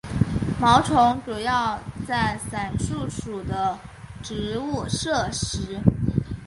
毛虫主要在伞树属的植物摄食。